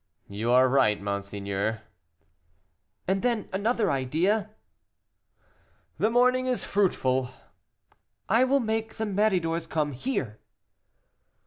"You are right, monseigneur." "And then another idea." "The morning is fruitful." "I will make the Méridors come here."